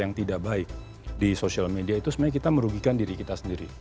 atau berbicara tentang hal yang tidak baik di social media itu sebenarnya kita merugikan diri kita sendiri